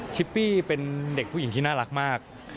ชิปปี้เป็นเด็กผู้หญิงที่น่ารักมาก